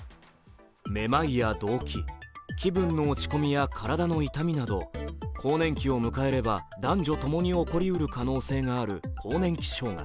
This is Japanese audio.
めまいや動悸、気分の落ち込みや体の痛みなど更年期を迎えれば、男女ともに起こりうる可能性がある更年期障害。